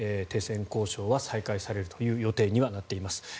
停戦交渉は再開されるという予定になっています。